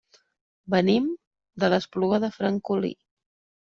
Venim de l'Espluga de Francolí.